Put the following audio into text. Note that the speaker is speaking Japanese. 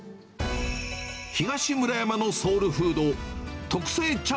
東村山のソウルフード、特製ちゃ